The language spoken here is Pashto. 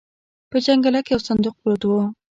په جنګله کې يو صندوق پروت و.